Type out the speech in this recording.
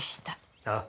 ああ。